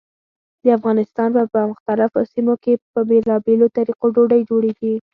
د افغانستان په مختلفو سیمو کې په بېلابېلو طریقو ډوډۍ جوړېږي.